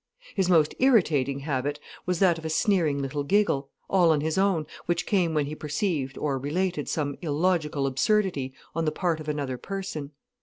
His most irritating habit was that of a sneering little giggle, all on his own, which came when he perceived or related some illogical absurdity on the part of another person.